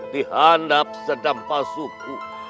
di hanap sedampasuku